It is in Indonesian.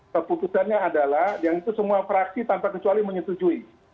keputusannya adalah yang itu semua fraksi tanpa kecuali menyetujui